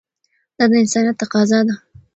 دا د انسانیت تقاضا ده.